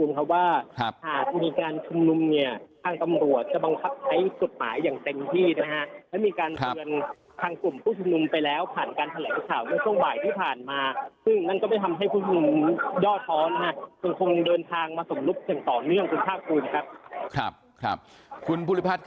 ครับครับท่านผู้ชุมน